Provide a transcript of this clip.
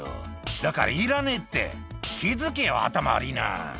「だからいらねえって気付けよ頭悪ぃな」